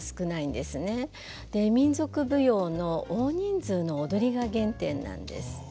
で民族舞踊の大人数の踊りが原点なんです。